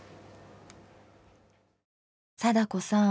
貞子さん